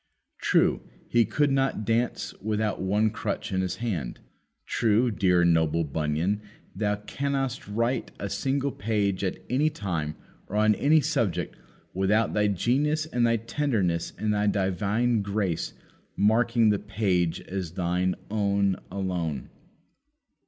"True, he could not dance without one crutch in his hand." True, dear and noble Bunyan, thou canst not write a single page at any time or on any subject without thy genius and thy tenderness and thy divine grace marking the page as thine own alone!